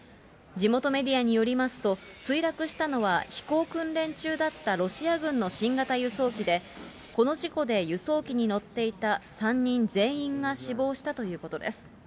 地元メディアによりますと、墜落したのは飛行訓練中だったロシア軍の新型輸送機で、この事故で輸送機に乗っていた３人全員が死亡したということです。